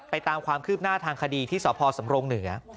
ตามความคืบหน้าทางคดีที่สพสำรงเหนือ